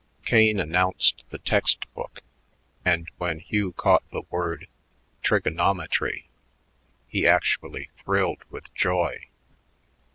Kane announced the text book, and when Hugh caught the word "trigonometry" he actually thrilled with joy.